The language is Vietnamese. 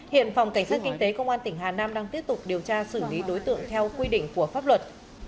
hiện phòng cảnh sát kinh tế công an tỉnh hà nam đang tiếp tục điều tra xử lý đối tượng theo quy định của pháp luật